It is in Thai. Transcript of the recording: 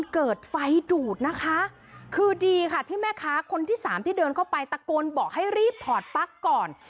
คือดีค่ะที่แม่ค้าคนที่สามที่เดินเข้าไปตะโกลบอกให้เรียบถอดปั๊กก่อน